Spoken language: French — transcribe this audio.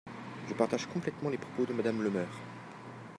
Je partage complètement les propos de Madame Le Meur.